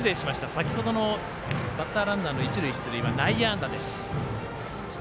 先ほどのバッターランナーの一塁出塁は内野安打です。